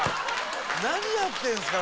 「何やってるんですか！